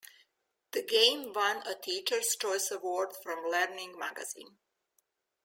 The game won a Teacher's Choice Award from Learning Magazine.